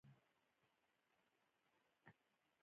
غالۍ باید هره اونۍ وڅنډل شي.